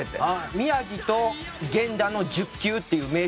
宮城と源田の１０球っていう名勝負が。